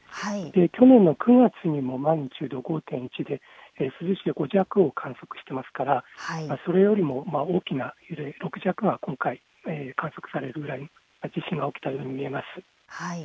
去年の９月にもマグニチュード５．１で５弱を観測していますからそれよりも大きな揺れ、６弱が観測されるぐらいの地震が起きたように思います。